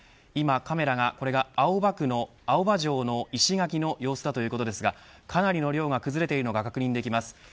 今、カメラが青葉区の青葉城の石垣の様子ですがかなりの量が崩れているのが確認できます。